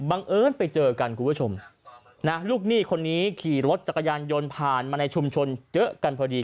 เอิญไปเจอกันคุณผู้ชมนะลูกหนี้คนนี้ขี่รถจักรยานยนต์ผ่านมาในชุมชนเจอกันพอดี